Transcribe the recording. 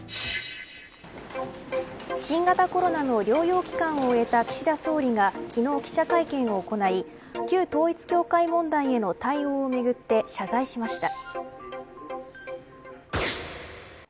新型コロナの療養期間を終えた岸田総理が昨日、記者会見を行い旧統一教会問題への対応をめぐって謝罪しました。